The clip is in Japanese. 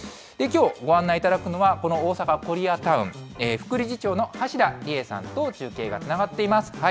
きょうご案内いただくのは、この大阪コリアタウン、副理事長の橋田季恵さんと中継がつながっています。